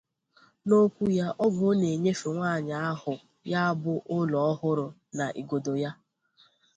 N'okwu ya oge ọ na-enyefe nwaanyị ahụ ya bụ ụlọ ọhụrụ na igodo ya